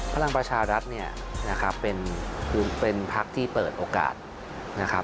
พลังประชารัฐเป็นภักดิ์ที่เปิดโอกาส